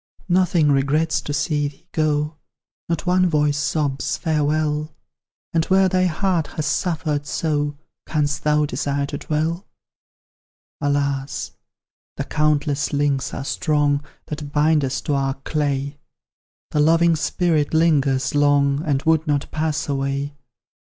"Nothing regrets to see thee go Not one voice sobs' farewell;' And where thy heart has suffered so, Canst thou desire to dwell?" "Alas! the countless links are strong That bind us to our clay; The loving spirit lingers long, And would not pass away!